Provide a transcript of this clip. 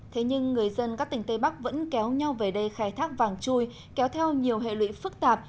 thế nhưng người dân các tỉnh tây bắc vẫn kéo nhau về đây khai thác vàng chui kéo theo nhiều hệ lụy phức tạp